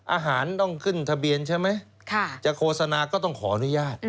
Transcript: อาหารต้องขึ้นทะเบียนใช่ไหมจะโฆษณาก็ต้องขออนุญาต